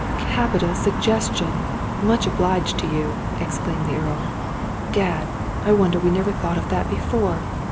"Capital suggestion! much obliged to you," exclaimed the Earl. "Gad! I wonder we never thought of that before!